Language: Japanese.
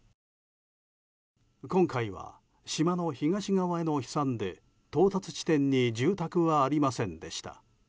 今回は島の東側への飛散で到達地点に住宅はありませんでした。